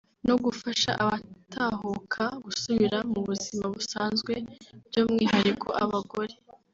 no gufasha abatahuka gusubira mu buzima busanzwe by’umwihariko abagore